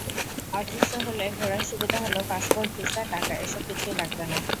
অদৃশ্য হলে ঘোরার সুবিধা হলো পাসপোর্ট, ভিসা, টাকা—এসব কিছুই লাগবে না।